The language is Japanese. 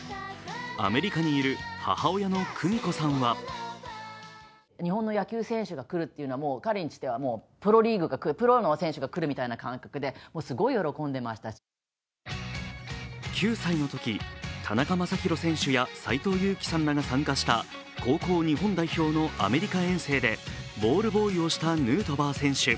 アメリカにいる母親の久美子さんは９歳のとき、田中将大選手や斎藤佑樹さんらが参加した高校日本代表のアメリカ遠征でボールボーイをしたヌートバー選手。